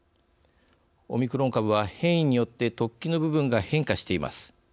オミクロン株は、変異によって突起の部分が変化しています。